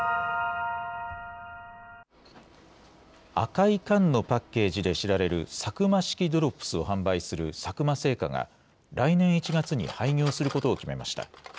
赤い缶のパッケージで知られるサクマ式ドロップスを販売する佐久間製菓が、来年１月に廃業することを決めました。